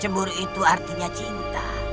cemburu itu artinya cinta